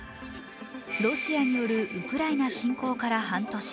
ロシアによるウクライナ侵攻から半年。